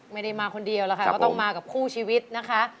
ไม่ได้มาคนเดียวแล้วค่ะก็ต้องมากับคู่ชีวิตนะคะ